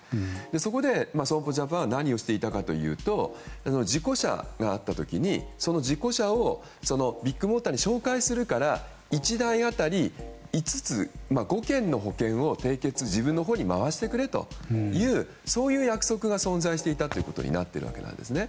そこで、損保ジャパンは何をしていたかというと事故車があった時にその事故車をビッグモーターに紹介するから１台当たり５件の保険を自分のほうに回してくれという約束が存在していたことになっているわけですね。